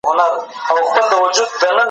شرقي ټولنې له غربي ټولنو سره توپیر لري.